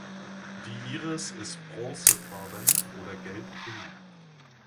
Die Iris ist bronzefarben oder gelbgrün.